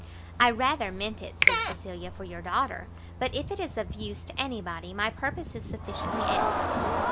"I rather meant it," said Cecilia, "for your daughter; but if it is of use to any body, my purpose is sufficiently answered."